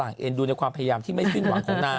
นี่นี่นี่นี่นี่นี่นี่นี่